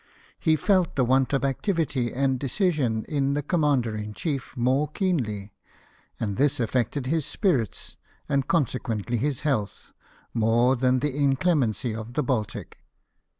He felt the want of activity and decision in the Commander in Chief more keenly, and this affected his spirits, and consequently his health, more than the inclemency of the Baltic.